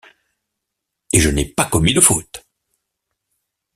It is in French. Et je n’ai pas commis de fautes!